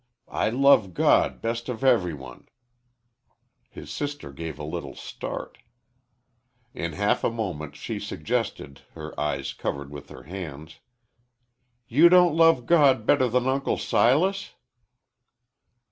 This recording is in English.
"I love God best of every one." His sister gave a little start. In half a moment she suggested, her eyes covered with her hands, "You don't love God better than Uncle Silas?"